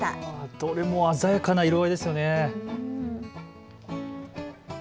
どれも鮮やかな色合いですよね。